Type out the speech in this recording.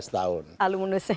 lima belas tahun aluminusnya